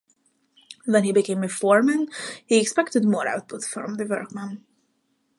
When he became a foreman he expected more output from the workmen.